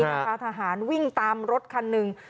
พ่อทหารวิ่งตามรถคันนึง